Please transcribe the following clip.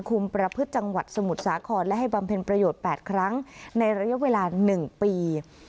คุมประพฤติจังหวัดสมุทรสาครและให้บำเพ็ญประโยชน์๘ครั้งในระยะเวลา๑ปี